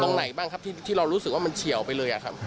ตรงไหนบ้างครับที่เรารู้สึกว่ามันเฉียวไปเลยครับ